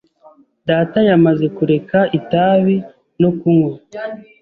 Data yamaze kureka itabi no kunywa.